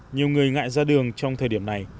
nhiều người ngại ra đường trong thời điểm này